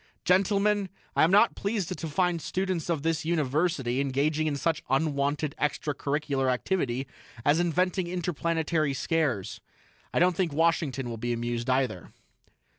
"Gentlemen, I am not pleased to find students of this University engaging in such unwanted extra curricular activity as inventing interplanetary scares. I don't think Washington will be amused, either."